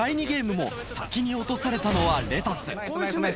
ゲームも先に落とされたのはれたす